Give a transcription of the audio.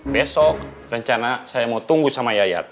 besok rencana saya mau tunggu sama yayat